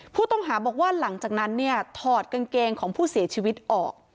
ผู้ต้องหาบอกว่าหลังจากนั้นเนี่ยถอดกางเกงของผู้เสียชีวิตออก